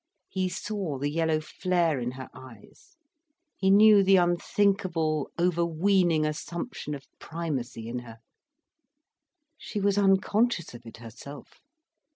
He saw the yellow flare in her eyes, he knew the unthinkable overweening assumption of primacy in her. She was unconscious of it herself.